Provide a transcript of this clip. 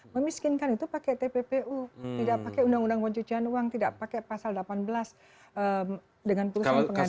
memiskinkan itu pakai tppu tidak pakai undang undang pencucian uang tidak pakai pasal delapan belas dengan putusan pengadilan